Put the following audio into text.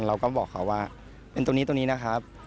เราก็บอกเขาว่าเป็นตรงนี้ตรงนี้นะครับ